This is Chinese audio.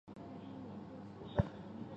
我还是不知道